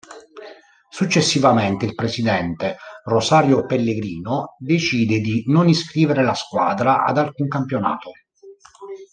Successivamente il presidente, Rosario Pellegrino, decide di non iscrivere la squadra ad alcun campionato.